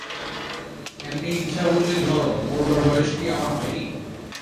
এমনি হিসাবও যদি ধরো, মরবার বয়েস কি আমার হয়নি?